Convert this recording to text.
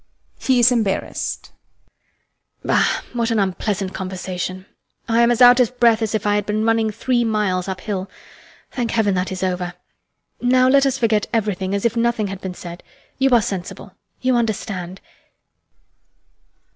[He is embarrassed.] HELENA. Bah! What an unpleasant conversation! I am as out of breath as if I had been running three miles uphill. Thank heaven, that is over! Now let us forget everything as if nothing had been said. You are sensible. You understand.